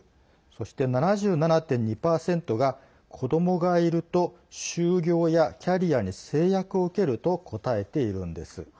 そして７７．２％が子どもがいると就業やキャリアに制約を受けると答えているんです。